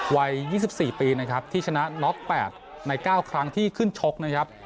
วัย๒๔ปีนะครับที่ชนะน็อต๘ใน๙ครั้งที่ขึ้นชกนะครับ